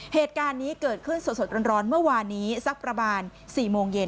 เหตุการณ์นี้เกิดขึ้นสดร้อนเมื่อวานนี้สักประมาณ๔โมงเย็น